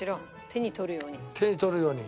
手に取るように。